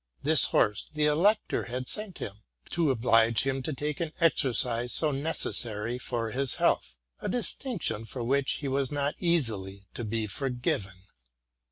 This horse the elector had sent him, to oblige him to take an exercise so necessary for his health, —a distinction for which he was not easily to be forgiven.